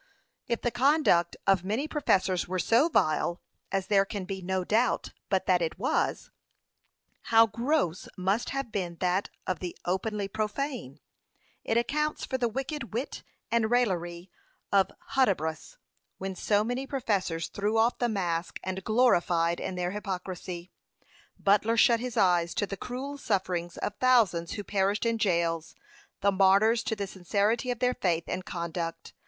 If the conduct of many professors were so vile, as there can be no doubt but that it was, how gross must have been that of the openly profane? It accounts for the wicked wit and raillery of Hudibras, when so many professors threw off the mask and gloried in their hypocrisy Butler shut his eyes to the cruel sufferings of thousands who perished in jails, the martyrs to the sincerity of their faith and conduct.